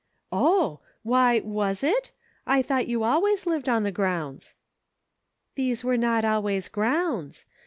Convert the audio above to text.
" Oh ! why, was it } I thought you always lived on the grounds." "These were not always 'grounds.'